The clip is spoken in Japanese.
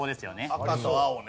赤と青ね。